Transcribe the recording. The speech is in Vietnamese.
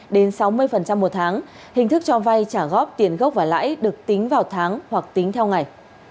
đến sáu mươi một tháng hình thức cho vay trả góp tiền gốc và lãi được tính vào tháng hoặc tính theo ngày